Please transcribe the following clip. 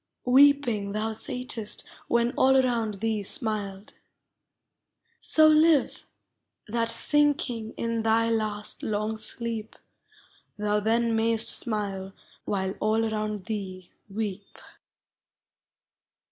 Weeping thou sat'st when all around thee smiled: So live, that, sinking in thy last long sleep, Thou then mayst smile while all around thee weep.